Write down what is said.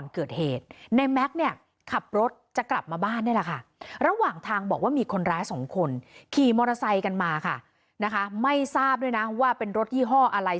ขี่มอเตอร์ไซค์กันมาค่ะนะคะไม่ทราบด้วยนะว่าเป็นรถยี่ห้ออะไร